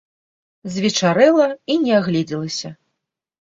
Звечарэла, і не агледзелася!